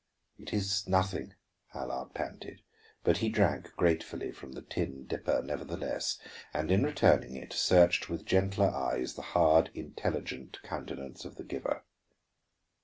"It is nothing," Allard panted. But he drank gratefully from the tin dipper, nevertheless, and in returning it searched with gentler eyes the hard, intelligent countenance of the giver.